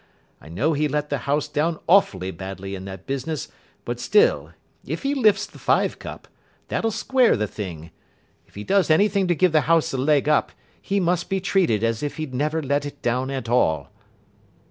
I know he let the house down awfully badly in that business, but still, if he lifts the Fives Cup, that'll square the thing. If he does anything to give the house a leg up, he must be treated as if he'd never let it down at all."